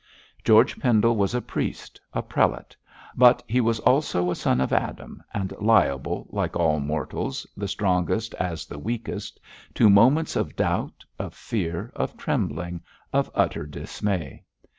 George Pendle was a priest, a prelate, but he was also a son of Adam, and liable, like all mortals, the strongest as the weakest, to moments of doubt, of fear, of trembling, of utter dismay.